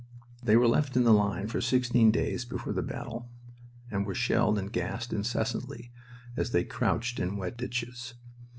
They were left in the line for sixteen days before the battle and were shelled and gassed incessantly as they crouched in wet ditches.